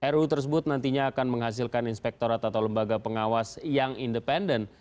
ruu tersebut nantinya akan menghasilkan inspektorat atau lembaga pengawas yang independen